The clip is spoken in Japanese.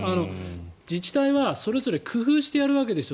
自治体はそれぞれ工夫してやるわけですよ。